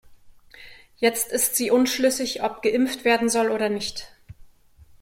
Jetzt ist sie unschlüssig, ob geimpft werden soll oder nicht.